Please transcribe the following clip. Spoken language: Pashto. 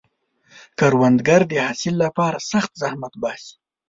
کروندګر د حاصل لپاره سخت زحمت باسي